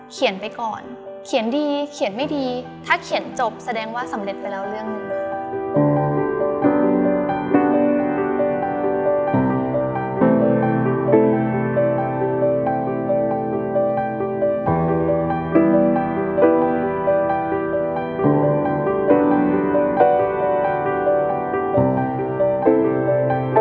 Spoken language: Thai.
เขียนไปก่อนเขียนดีเขียนไม่ดีถ้าเขียนจบแสดงว่าสำเร็จไปแล้วเรื่องหนึ่ง